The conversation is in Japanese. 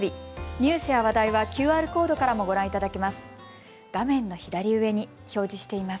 ニュースや話題はＱＲコードからもご覧いただけます。